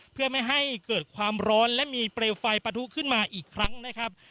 เพื่อไม่ให้เกิดความร้อนและมีเปลวไฟปะทุขึ้นมาอีกครั้งนะครับ